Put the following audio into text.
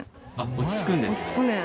落ち着くねん。